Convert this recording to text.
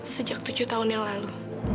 sejak tujuh tahun yang lalu